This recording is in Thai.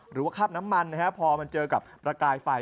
หรือว่าคาดน้ำมันพอมันเจอกับระกายไฟ